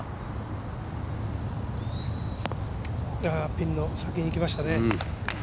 ピンの先にきましたね。